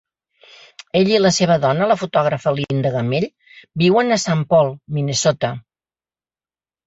Ell i la seva dona, la fotògrafa Linda Gammell, viuen a Saint Paul, Minnesota.